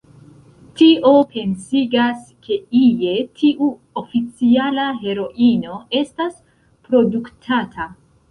Tio pensigas, ke ie tiu oficiala heroino estas produktata.